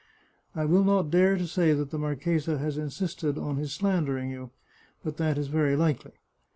I will not dare to say that the marchesa has insisted on his slandering you, but that is very likely.